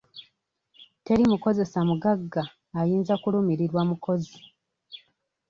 Teri mukozesa mugagga ayinza kulumirirwa mukozi.